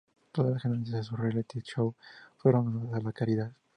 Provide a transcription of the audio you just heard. Todas las ganancias de su reality show fueron donadas a la caridad.